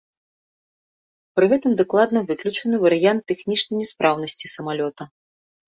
Пры гэтым дакладна выключаны варыянт тэхнічнай няспраўнасці самалёта.